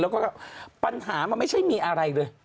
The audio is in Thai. แล้วก็ปัญหามันไม่ใช่มีอะไรเลย